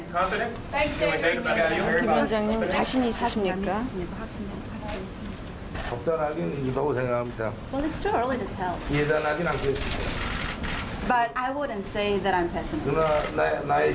กับสมบัติตอนนี้ข้าต้องรู้จักว่า